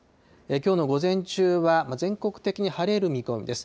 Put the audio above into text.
きょうの午前中は、全国的に晴れる見込みです。